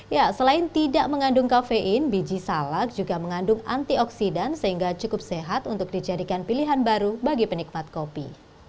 ya selain tidak mengandung kafein biji salak juga mengandung antioksidan sehingga cukup sehat untuk dijadikan pilihan baru bagi penikmat kopi